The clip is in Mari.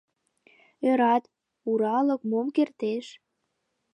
Ӧрат, уралык мом кертеш!